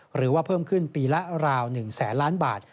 หรือว่าเพิ่มขึ้นปีละราว๑แสนล้านบาท